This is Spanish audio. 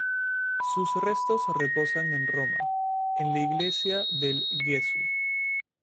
Sus restos reposan en Roma en la Iglesia del Gesù.